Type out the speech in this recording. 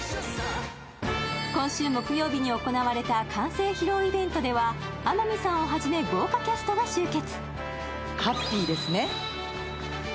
今週木曜日に行われた完成披露イベントでは天海さんをはじめ、豪華キャストが集結。